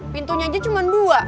pintunya aja cuma dua